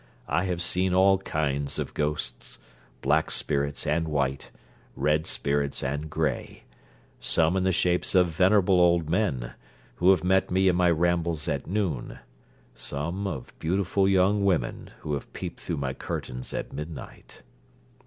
I have seen all kinds of ghosts: black spirits and white, red spirits and grey. Some in the shapes of venerable old men, who have met me in my rambles at noon; some of beautiful young women, who have peeped through my curtains at midnight.